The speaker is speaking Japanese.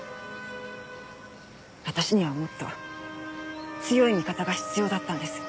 私にはもっと強い味方が必要だったんです。